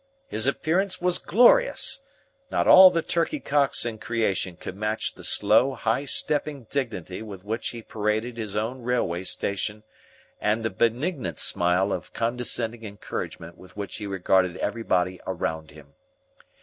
His appearance was glorious. Not all the turkey cocks in creation could match the slow, high stepping dignity with which he paraded his own railway station and the benignant smile of condescending encouragement with which he regarded everybody around him.